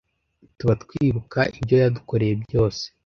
tuba twibuka ibyo yadukoreye byose